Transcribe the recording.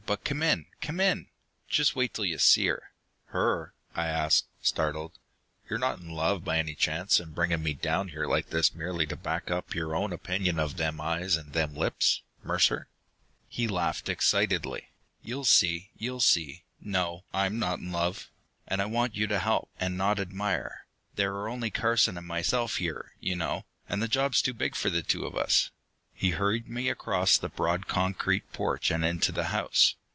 But come in, come in! Just wait till you see her!" "Her?" I asked, startled. "You're not in love, by any chance, and bringing me down here like this merely to back up your own opinion of them eyes and them lips, Mercer?" He laughed excitedly. "You'll see, you'll see! No, I'm not in love. And I want you to help, and not admire. There are only Carson and myself here, you know, and the job's too big for the two of us." He hurried me across the broad concrete porch and into the house.